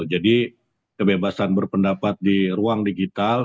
jadi kebebasan berpendapat di ruang digital